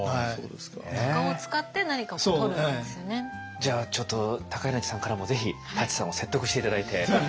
じゃあちょっと高柳さんからもぜひ舘さんを説得して頂いて。